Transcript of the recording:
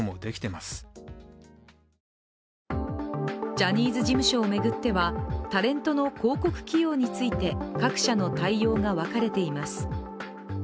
ジャニーズ事務所を巡ってはタレントの広告起用について各社の対応が分かれています。